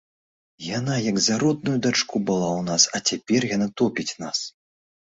Яна як за родную дачку была ў нас, а цяпер яна топіць нас.